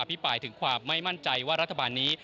พี่ปายถึงความไม่มั่นใจว่ารัฐบาลนี้